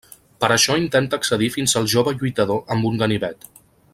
Per a això intenta accedir fins al jove lluitador amb un ganivet.